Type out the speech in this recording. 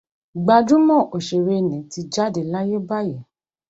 Gbajúmọ̀ òṣèré nì ti jáde láyé báyìí.